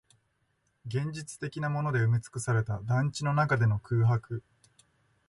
現実的なもので埋めつくされた団地の中での空白